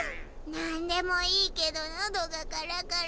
なんでもいいけどのどがカラカラ。